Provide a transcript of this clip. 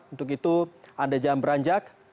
untuk itu anda jangan beranjak